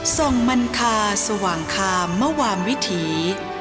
ส่งมันคาสว่างคามมวามวิถี